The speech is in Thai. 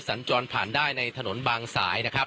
ตอนนี้ผมอยู่ในพื้นที่อำเภอโขงเจียมจังหวัดอุบลราชธานีนะครับ